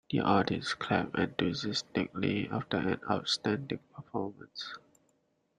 The audience clapped enthusiastically after an outstanding performance.